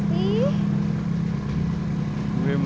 gak jadi deh